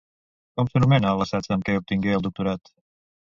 Com s'anomena l'assaig amb què obtingué el doctorat?